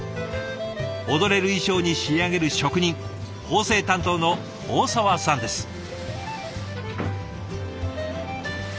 踊れる衣裳に仕上げる職人縫製担当の大澤さんです。